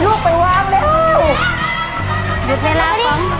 ลูกไปวางแล้วหยุดเวลาของ